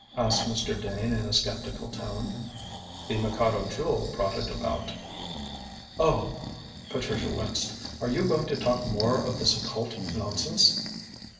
asked Mr. Dane in a sceptical tone. "The Mikado Jewel brought it about." "Oh!" Patricia winced; "are you going to talk more of this occult nonsense?"